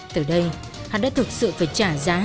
từ đây hắn đã thực sự phải trả giá